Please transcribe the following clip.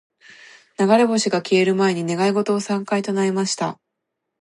•流れ星が消える前に、願い事を三回唱えました。